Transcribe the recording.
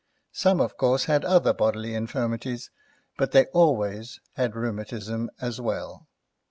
Some, of course, had other bodily infirmities, but they always had rheumatism as well.